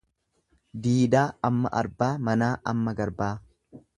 Diidaa amma arbaa manaa amma garbaa.